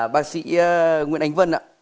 bác sĩ nguyễn ánh vân ạ